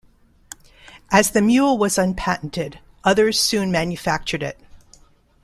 As the mule was unpatented others soon manufactured it.